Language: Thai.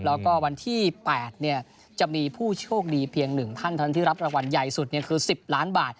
แล้วก็วันที่๘จะมีผู้โชคดีเพียง๑ท่านเท่านั้นที่รับรางวัลใหญ่สุดคือ๑๐ล้านบาท